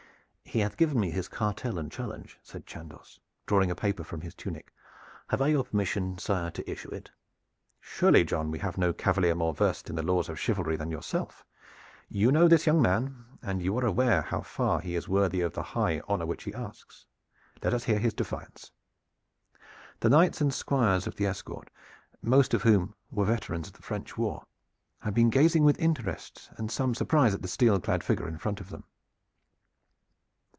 "He hath given me his cartel and challenge," said Chandos, drawing a paper from his tunic. "Have I your permission, sire, to issue it?" "Surely, John, we have no cavalier more versed in the laws of chivalry than yourself. You know this young man, and you are aware how far he is worthy of the high honor which he asks. Let us hear his defiance." The knights and squires of the escort, most of whom were veterans of the French war, had been gazing with interest and some surprise at the steel clad figure in front of them.